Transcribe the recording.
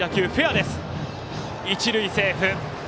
一塁セーフ。